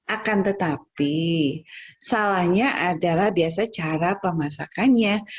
akan tetapi salahnya adalah biasa cara pemasakannya